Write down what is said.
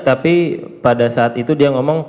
tapi pada saat itu dia ngomong